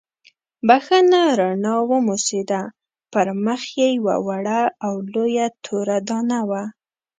بښنه رڼا وموسېده، پر مخ یې یوه وړه او لویه توره دانه وه.